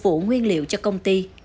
phục vụ nguyên liệu cho công ty